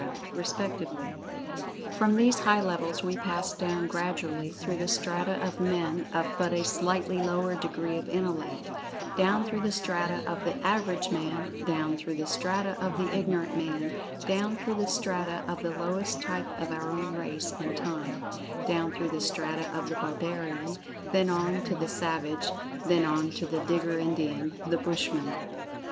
respectively. From these high levels we pass down, gradually, through the strata of men of but a slightly lower degree of[Pg 34] intellect—down through the strata of the "average man"—down through the strata of the ignorant man—down through the strata of the lowest type of our own race and time—down through the strata of the barbarian, then on to the savage, then on to the Digger Indian, the Bushman.